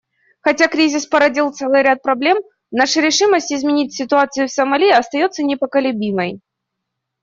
Хотя кризис породил целый ряд проблем, наша решимость изменить ситуацию в Сомали остается непоколебимой.